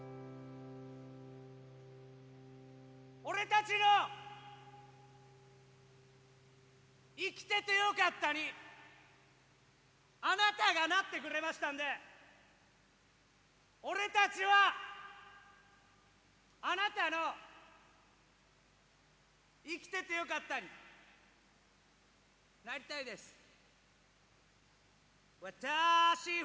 俺たちの「生きててよかった」にあなたがなってくれましたんで俺たちはあなたの「生きててよかった」になりたいです。